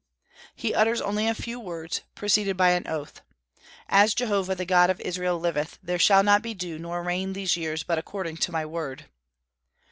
He utters only a few words, preceded by an oath: "As Jehovah the God of Israel liveth, there shall not be dew nor rain these years but according to my word."